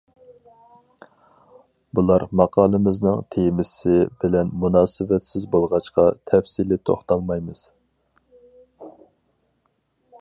بۇلار ماقالىمىزنىڭ تېمىسى بىلەن مۇناسىۋەتسىز بولغاچقا، تەپسىلىي توختالمايمىز.